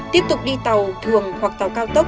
tiếp tục đi tàu thường hoặc tàu cao tốc